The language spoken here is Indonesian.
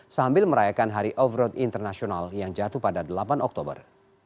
sambil merayakan hari off road internasional yang jatuh pada delapan oktober